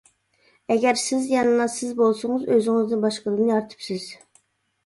ئەگەر سىز يەنىلا سىز بولسىڭىز ئۆزىڭىزنى باشقىدىن يارىتىپسىز.